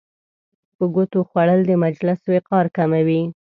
په ګوتو خوړل د مجلس وقار کموي.